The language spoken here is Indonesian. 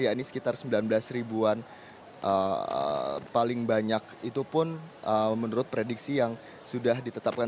ya ini sekitar sembilan belas ribuan paling banyak itu pun menurut prediksi yang sudah ditetapkan